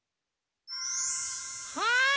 はい！